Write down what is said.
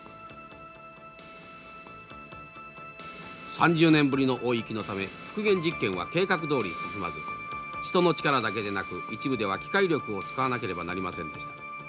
３０年ぶりの大雪のため復元実験は計画どおり進まず人の力だけでなく一部では機械力を使わなければなりませんでした。